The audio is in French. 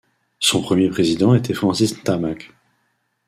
Son premier président était Francis Ntamack.